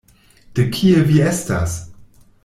De kie vi estas?